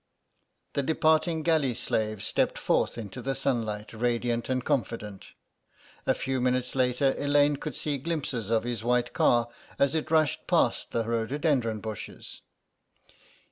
The departing galley slave stepped forth into the sunlight, radiant and confident. A few minutes later Elaine could see glimpses of his white car as it rushed past the rhododendron bushes.